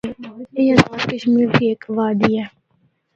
اے آزادکشمیر دی ہک وادی اے۔